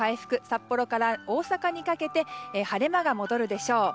札幌から大阪にかけて晴れ間が戻るでしょう。